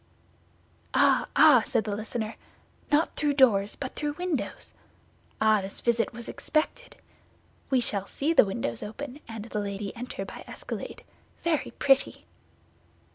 "Ah, ah!" said the listener, "not through doors, but through windows! Ah, this visit was expected. We shall see the windows open, and the lady enter by escalade. Very pretty!"